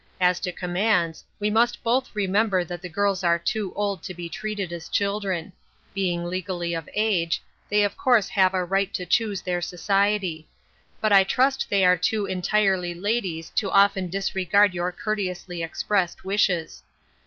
As to com mands, we must both remember that the girls are too old to be treated as children ; being legally of age, they of course have a right to choose their society ; but I trust they are too entirely ladies to often disregard your courteously expressed wishes.